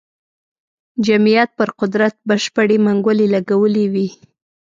جمعیت پر قدرت بشپړې منګولې لګولې وې.